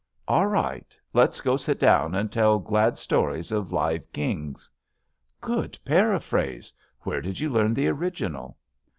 "All right. Let's go sit down and tell glad stories of live kings." "Good paraphrase. Where did you learn the original?"